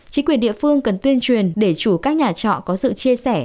chính quyền địa phương cần tuyên truyền để chủ các nhà trọ có sự chia sẻ